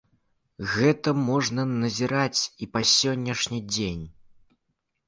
Гэта можна назіраць і па сённяшні дзень.